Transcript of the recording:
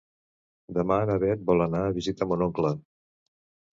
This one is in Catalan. Demà na Beth vol anar a visitar mon oncle.